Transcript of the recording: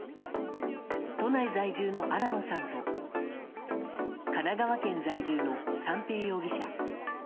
都内在住の新野さんと神奈川県在住の三瓶容疑者。